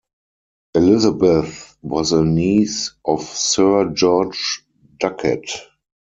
Elizabeth was a niece of Sir George Duckett.